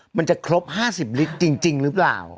มันจะครบ๕๐ลิตรจริงหรือเปล่า